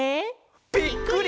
「ぴっくり！